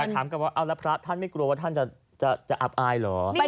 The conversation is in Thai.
แต่ถามกลับว่าเอาแล้วพระท่านไม่กลัวว่าท่านจะอับอายเหรอ